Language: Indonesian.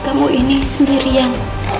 kamu ini sendirian